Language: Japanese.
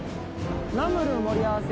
ナムル盛り合わせ。